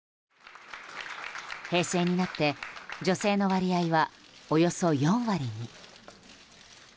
平成になって女性の割合はおよそ４割に。